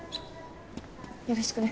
よろしくね。